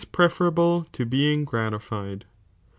i« preferable to being gratified.'